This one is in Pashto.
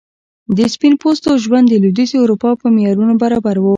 د سپین پوستو ژوند د لوېدیځي اروپا په معیارونو برابر و.